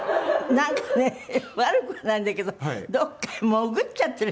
なんかね悪くないんだけどどっかへ潜っちゃってるみたい。